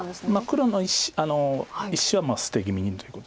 黒の１子は捨てぎみにということです。